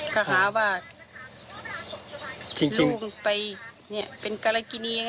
เขาหาว่ารุ้งไปเป็นกรกินี